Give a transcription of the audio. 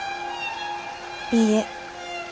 いいえ。